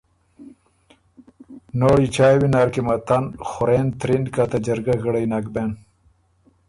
چایٛ وینر قیمتاً خورېن ترِن که ته جرګۀ غِړئ نک بېن۔